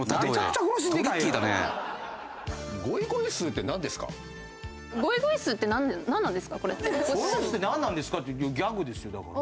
「ゴイゴイスーってなんなんですか？」ってギャグですよだから。